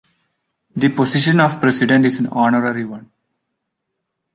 The position of President is an honorary one.